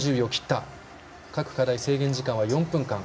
各課題、制限時間は４分間。